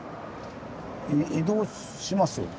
移動しますよね。